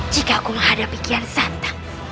jika aku menghadapi kian santa